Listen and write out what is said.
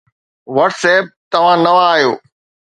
WhatsApp توهان نوان آهيو